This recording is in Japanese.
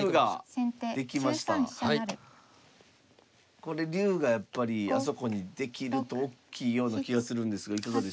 これ竜がやっぱりあそこにできるとおっきいような気がするんですがいかがでしょう。